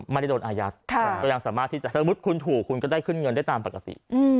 ไม่ได้โดนอายัดก็ยังสามารถที่จะสมมุติคุณถูกคุณก็ได้ขึ้นเงินได้ตามปกติ